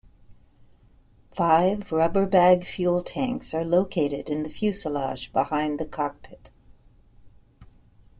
Five rubber bag fuel tanks are located in the fuselage behind the cockpit.